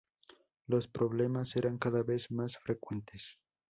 Los problemas eran cada vez más frecuentes.